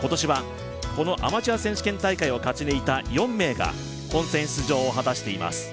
今年はこのアマチュア選手権大会を勝ち抜いた本戦出場を果たしています。